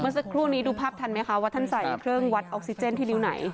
สักครู่นี้ดูภาพทันไหมคะว่าท่านใส่เครื่องวัดออกซิเจนที่นิ้วไหน